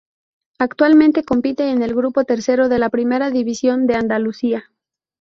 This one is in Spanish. Actualmente compite en el grupo tercero de la Primera División de Andalucía.